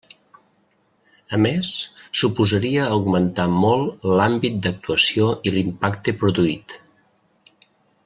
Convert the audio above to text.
A més, suposaria augmentar molt l'àmbit d'actuació i l'impacte produït.